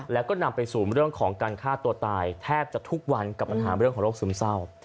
แล้วก็นำไปสู่เรื่องของการฆ่าตัวตายแทบจะทุกวันกับปัญหาเรื่องของโรคซึมเศร้า